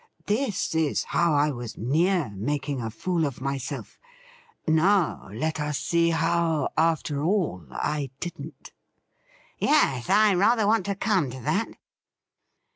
This is how I was near making a fool of myself. Now let us see how, after all, I didn't.' ' Yes, I rather want to come to that.'